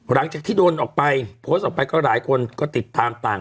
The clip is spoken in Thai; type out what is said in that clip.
หลังจากที่โดนออกไปโพสต์ออกไปก็หลายคนก็ติดตามต่าง